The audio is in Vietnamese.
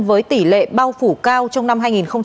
với tỷ lệ bao phủ cao trong năm hai nghìn hai mươi